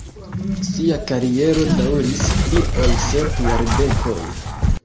Ŝia kariero daŭris pli ol sep jardekoj.